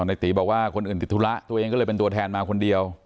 อาทิตย์บอกว่าคนอื่นติดทุละตัวเองก็เป็นคนแทนมาคนเดียว